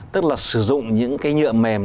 tức là sử dụng những cái nhựa mềm